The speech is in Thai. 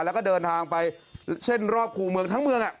แล้วก็เดินทางไปเส้นรอบคู่เมืองทั้งเมือง